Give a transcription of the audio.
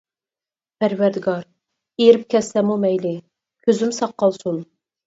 پەرۋەردىگار، ئېرىپ كەتسەممۇ مەيلى، كۆزۈم ساق قالسۇن.